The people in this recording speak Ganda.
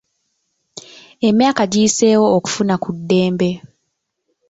Emyaka giyiseewo okufuna ku ddembe.